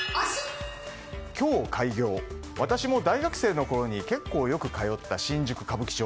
今日開業、私も大学生のころに結構よく通った新宿・歌舞伎町。